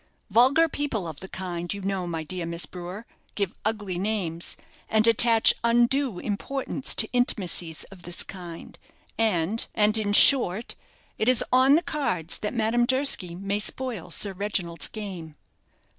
Vulgar people of the kind, you know, my dear Miss Brewer, give ugly names, and attach undue importance to intimacies of this kind, and and in short, it is on the cards that Madame Durski may spoil Sir Reginald's game.